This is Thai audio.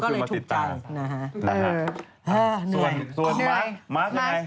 ส่วนมาร์ท